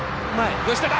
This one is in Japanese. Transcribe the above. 吉田だ。